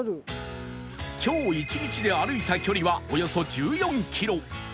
今日１日で歩いた距離はおよそ１４キロ